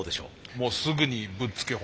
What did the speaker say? もうすぐにぶっつけ本番。